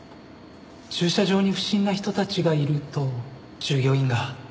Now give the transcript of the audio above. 駐車場に不審な人たちがいると従業員が。